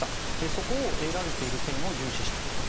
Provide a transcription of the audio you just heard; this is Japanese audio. そこを描いている点を重視していると。